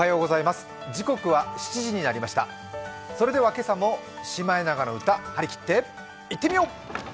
それではけさも「シマエナガの歌」張りきっていってみよう。